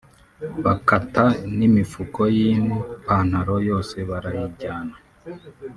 bakata n’imifuko y’ipantaro yose barayijyana